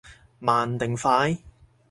慢定快？